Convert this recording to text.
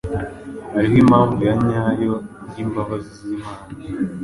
Hariho impamvu nyayo y’imbabazi zimana,